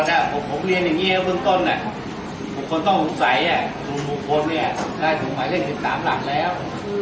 อ่าถือแลครับส่วนคนต้องรู้ใสอ่ะถูกผู้โฟนเรียกได้ถูกหมายเลขถึงสามหลักแล้ว